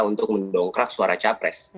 untuk mendongkrak suara capres